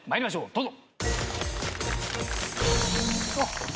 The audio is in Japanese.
どうぞ。